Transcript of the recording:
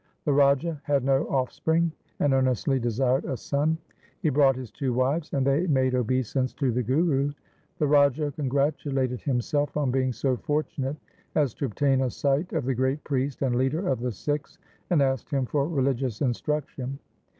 The Raja had no offspring, and earnestly desired a son. He brought his two wives, and they made obeisance to the Guru. The Raja congratulated himself on being so fortunate as to obtain a sight of the great priest and leader of the Sikhs, and asked him for religious instruction.